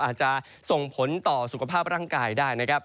อาจจะส่งผลต่อสุขภาพร่างกายได้นะครับ